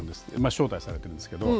招待されてるんですけど。